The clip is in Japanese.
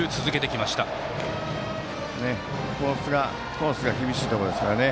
コースが厳しいところですからね。